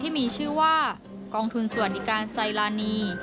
ที่มีชื่อว่ากองทุนสวัสดิการไซลานี